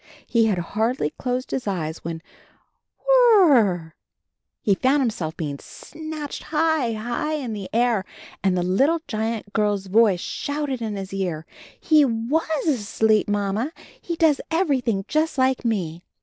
He had hardly closed his eyes, when — whir r r r, he found himself being snatched high, high in the air and the little giant girl's voice shouted in his ear. "He was asleep. Mamma. He does everything just like me.